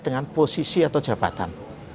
dengan posisi atau jabatan